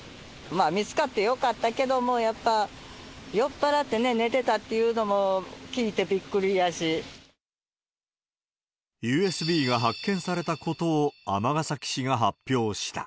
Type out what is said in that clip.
まあ、見つかってよかったけども、やっぱ酔っぱらって寝てたっていうのも、聞いてびっくりやし。ＵＳＢが発見されたことを尼崎市が発表した。